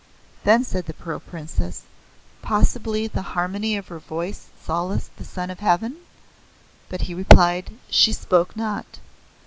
Then said the Pearl Princess; "Possibly the harmony of her voice solaced the Son of Heaven?" But he replied; "She spoke not."